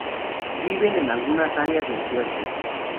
Viven en algunas áreas del trueque.